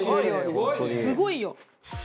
すごいよ。